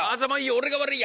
俺が悪いや。